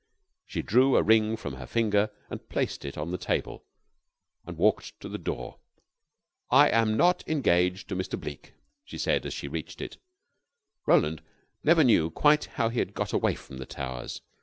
She drew a ring from her finger, placed it on the table, and walked to the door. "I am not engaged to Mr. Bleke," she said, as she reached it. Roland never knew quite how he had got away from The Towers.